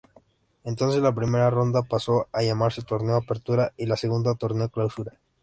Entonces, la primera ronda pasó a llamarse Torneo Apertura y la segunda Torneo Clausura.